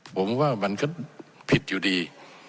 ผมว่ามันก็ผิดอยู่ดี